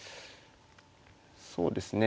そうですね。